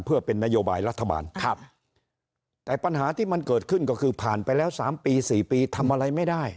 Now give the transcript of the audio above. เพื่อเป็นนโยบายรัฐบาลครับแต่ปัญหาที่มันเกิดขึ้นก็คือผ่านไปแล้ว๓ปี๔ปีทำอะไรไม่ได้